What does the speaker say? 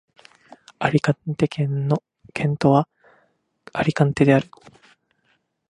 アリカンテ県の県都はアリカンテである